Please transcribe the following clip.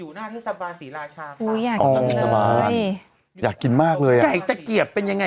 อยู่หน้าที่สาบานศรีราชาค่ะอ๋ออยากกินมากเลยไก่ตะเกียบเป็นยังไง